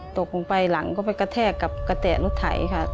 ตกลงไปหลังก็ไปกระแทกกับกระแตะรถไถค่ะ